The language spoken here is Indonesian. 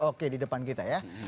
oke di depan kita ya